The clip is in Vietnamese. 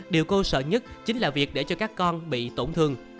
điều cô sợ nhất chính là việc để cho các con bị tổn thương